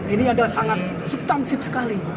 ini adalah sangat subtansif sekali